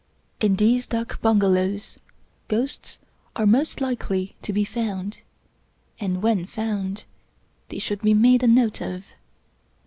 In these dak bungalows, ghosts are most likely to be found, and when found, they should be made a note of.